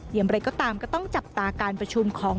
อย่างไรก็ตามก็ต้องจับตาการประชุมของ